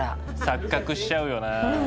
錯覚しちゃうよな。